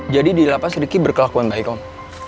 jadi dilapas ricky berkelakuan baik om